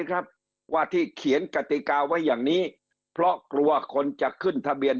ครับว่าที่เขียนกติกาไว้อย่างนี้เพราะกลัวคนจะขึ้นทะเบียน